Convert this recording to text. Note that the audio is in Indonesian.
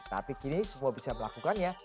tapi kini semua bisa melakukannya